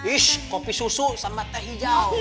is kopi susu sama teh hijau